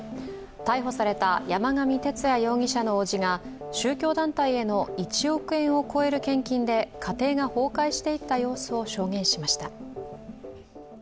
逮捕された山上徹也容疑者のおじが宗教団体への１億円を超える献金で家庭が崩壊していった様子を証言しました。